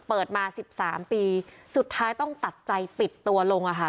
เปิดมา๑๓ปีสุดท้ายต้องตัดใจติดตัวลงค่ะ